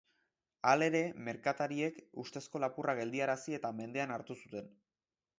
Halere, merkatariek ustezko lapurra geldiarazi eta mendean hartu zuten.